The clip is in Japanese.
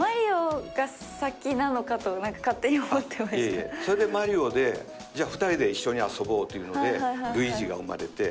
いえいえそれで『マリオ』で２人で一緒に遊ぼうというのでルイージが生まれて。